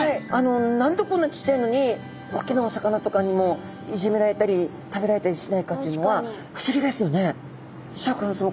何でこんなちっちゃいのに大きなお魚とかにもいじめられたり食べられたりしないかっていうのは不思議ですよね。